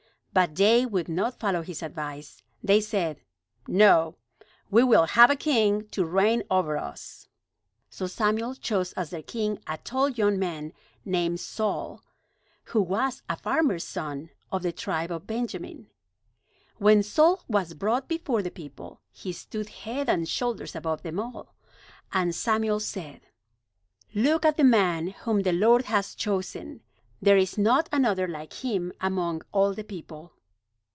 But they would not follow his advice. They said: "No; we will have a king to reign over us." So Samuel chose as their king a tall young man named Saul, who was a farmer's son of the tribe of Benjamin. When Saul was brought before the people he stood head and shoulders above them all. And Samuel said: "Look at the man whom the Lord has chosen! There is not another like him among all the people!"